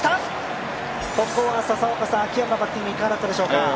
ここは秋山、バッティングいかがだったでしょうか？